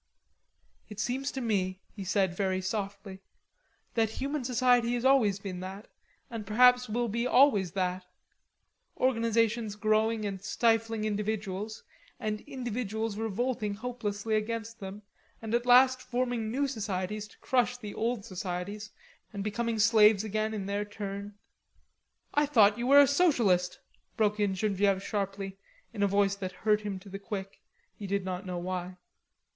"It seems to me," he said very softly, "that human society has been always that, and perhaps will be always that: organizations growing and stifling individuals, and individuals revolting hopelessly against them, and at last forming new societies to crush the old societies and becoming slaves again in their turn...." "I thought you were a socialist," broke in Genevieve sharply, in a voice that hurt him to the quick, he did not know why.